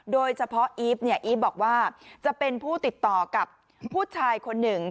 โดยเฉพาะอีฟเนี่ยอีฟบอกว่าจะเป็นผู้ติดต่อกับผู้ชายคนหนึ่ง